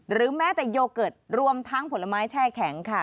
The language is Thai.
แม้แต่โยเกิร์ตรวมทั้งผลไม้แช่แข็งค่ะ